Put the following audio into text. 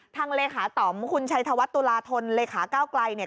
ทางเลขาต่อมคุณชายทวัตตุราทนเลขาก้าวกลัยเนี่ย